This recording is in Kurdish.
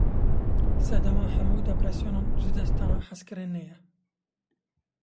Sedema hemû depresyonan, jidestdana hezkirinê ye.